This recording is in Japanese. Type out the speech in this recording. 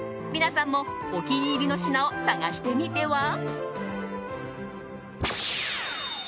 皆さんもお気に入りの品を探してみては？